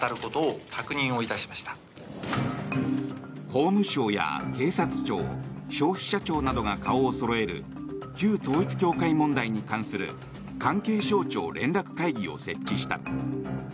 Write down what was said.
法務省や警察庁消費者庁などが顔をそろえる旧統一教会問題に関する関係省庁連絡会議を設置した。